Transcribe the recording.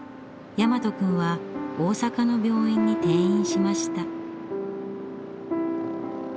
大和君は大阪の病院に転院しました。